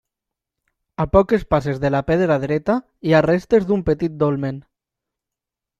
A poques passes de la Pedra Dreta hi ha restes d'un petit dolmen.